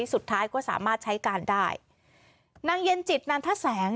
สุดท้ายก็สามารถใช้การได้นางเย็นจิตนันทแสง